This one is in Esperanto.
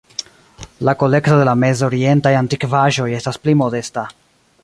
La kolekto de la Mez-Orientaj antikvaĵoj estas pli modesta.